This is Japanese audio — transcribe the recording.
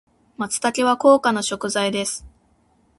松茸は高価な食材です。